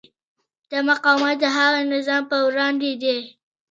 دا مقاومت د هغه نظام پر وړاندې دی.